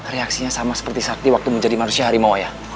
reaksinya sama seperti sakti waktu menjadi manusia harimau ya